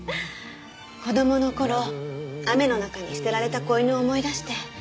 子どもの頃雨の中に捨てられた子犬を思い出して。